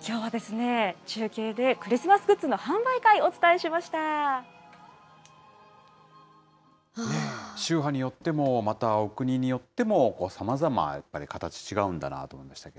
きょうはですね、中継でクリスマスグッズの販売会、お伝えし宗派によっても、またお国によっても、さまざま、やっぱり形違うんだなと思いましたけど。